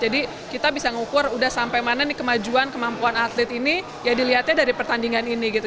jadi kita bisa ngukur udah sampai mana nih kemajuan kemampuan atlet ini ya dilihatnya dari pertandingan ini gitu